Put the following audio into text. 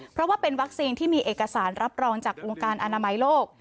เพราะว่าเป็นวัคซีนที่มีเอกสารรับรองจากองค์การอนามัยโลก